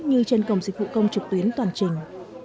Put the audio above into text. như trên cổng dịch vụ công trực tuyến toàn trình